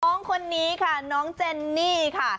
น้องคนนี้ค่ะน้องเจนนี่ค่ะ